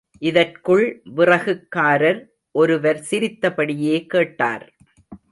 இதற்குள் விறகுக்காரர் ஒருவர் சிரித்தபடியே கேட்டார்.